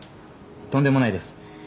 とんでもないです